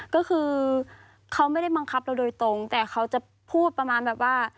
ก็คือเขาไม่ได้บังคับเราโดยตรงแต่เขาจะพูดประมาณแบบว่า